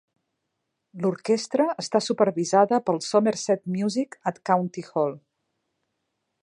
L'orquestra està supervisada pel Somerset Music at County Hall.